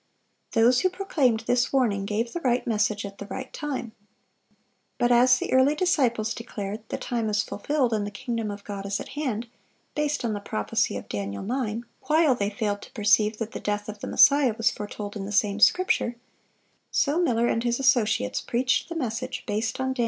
Those who proclaimed this warning gave the right message at the right time. But as the early disciples declared, "The time is fulfilled, and the kingdom of God is at hand," based on the prophecy of Daniel 9, while they failed to perceive that the death of the Messiah was foretold in the same scripture; so Miller and his associates preached the message based on Dan.